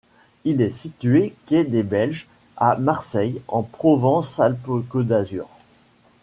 Il est situé quai des Belges, à Marseille, en Provence-Alpes-Côte d'Azur.